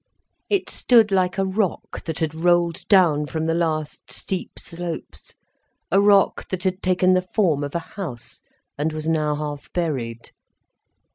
It stood like a rock that had rolled down from the last steep slopes, a rock that had taken the form of a house, and was now half buried.